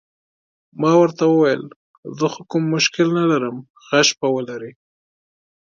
ما ورته وویل: زه خو کوم مشکل نه لرم، ښه شپه ولرئ.